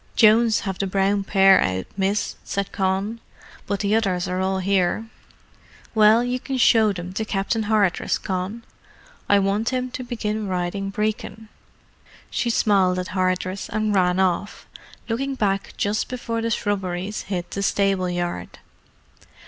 "Jones have the brown pair out, miss," said Con. "But the others are all here." "Well, you can show them to Captain Hardress, Con. I want him to begin riding Brecon." She smiled at Hardress, and ran off, looking back just before the shrubberies hid the stable yard.